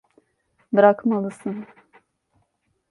Bırakmalısın.